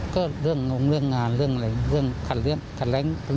ก็เรื่องน้องเรื่องงานเรื่องอะไรเรื่องขัดแรงกับเรื่องงาน